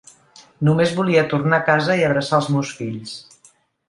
Només volia tornar a casa i abraçar els meus fills.